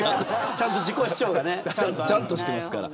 自己主張がねちゃんとしてますから。